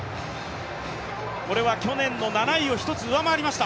これは去年の７位を１つ上回りました。